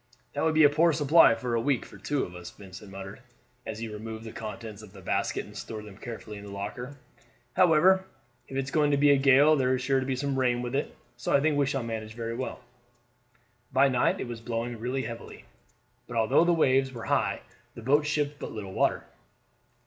"That would be a poor supply for a week for two of us," Vincent; muttered, as he removed the contents of the basket and stored them carefully in the locker; "however, if it's going to be a gale there is sure to be some rain with it, so I think we shall manage very well." By night it was blowing really heavily, but although the waves were high the boat shipped but little water.